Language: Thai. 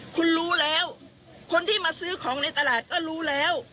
คุณรู้แล้วคนที่มาซื้อของในตลาดก็รู้แล้ว